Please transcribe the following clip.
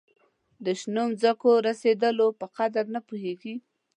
د شنو مځکو د رسېدلو په قدر نه پوهیږي.